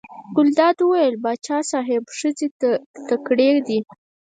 ګلداد وویل: پاچا صاحب ښځې تکړې دي.